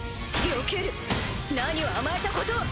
よける？何を甘えたことを！